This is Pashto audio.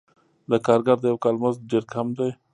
د کارګر د یوه کال مزد ډېر کم دی